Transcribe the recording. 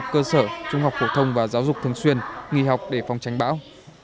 cơ sở trung học phổ thông và giáo dục thường xuyên nghỉ học để phòng tránh bão